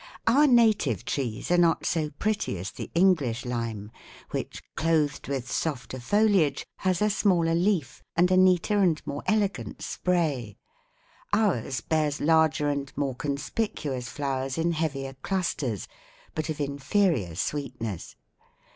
Our native trees are not so pretty as the English lime, which, clothed with softer foliage, has a smaller leaf and a neater and more elegant spray. Ours bears larger and more conspicuous flowers, in heavier clusters, but of inferior sweetness.